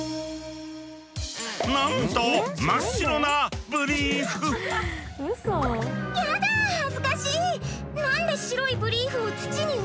なんとやだ恥ずかしい！